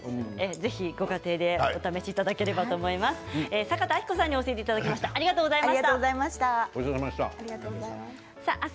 ぜひご家庭でお試しいただければと思います。